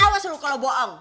awas lu kalau bohong